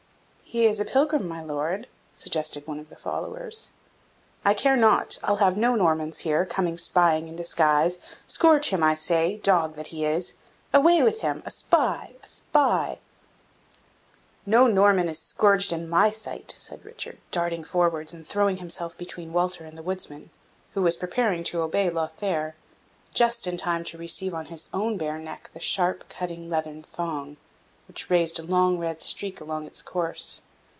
"He is a pilgrim, my Lord," suggested one of the followers. "I care not; I'll have no Normans here, coming spying in disguise. Scourge him, I say, dog that he is! Away with him! A spy, a spy!" "No Norman is scourged in my sight!" said Richard, darting forwards, and throwing himself between Walter and the woodsman, who was preparing to obey Lothaire, just in time to receive on his own bare neck the sharp, cutting leathern thong, which raised a long red streak along its course.